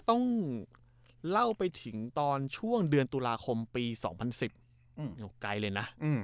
ต้องเล่าไปถึงตอนช่วงเดือนตุลาคมปีสองพันสิบอืมไกลเลยน่ะอืม